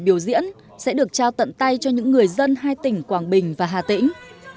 biểu diễn sẽ được trao tận tay cho những người dân hai tỉnh quảng bình và hà tĩnh